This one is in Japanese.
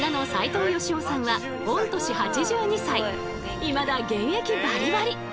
こちらのいまだ現役バリバリ！